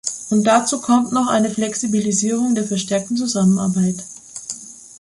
Und dazu kommt noch eine Flexibilisierung der verstärkten Zusammenarbeit.